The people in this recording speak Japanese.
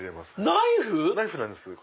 ナイフ⁉ナイフなんです。